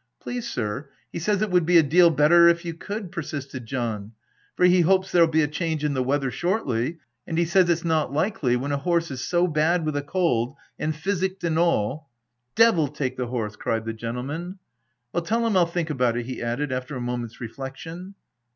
" Please sir, he says it would be a deal better if you could," persisted John, "for he hopes there'll be a change in the weather shortly, and he says it's not likely, when a horse is so bad with a cold, 'and physicked and all —" "Devil take the horse!" cried the gentle man—" Well, tell him Fll think about it," he added, after a moment's reflection.